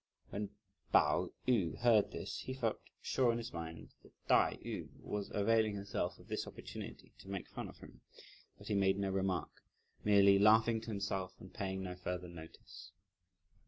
When Pao yü heard this, he felt sure in his mind that Tai yü was availing herself of this opportunity to make fun of him, but he made no remark, merely laughing to himself and paying no further notice.